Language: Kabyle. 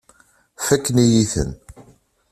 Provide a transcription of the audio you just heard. Fakken-iyi-ten.